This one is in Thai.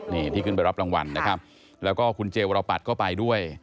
นี่ที่ขึ้นไปรับรางวัลนะครับแล้วก็คุณเจวรปัตรก็ไปด้วย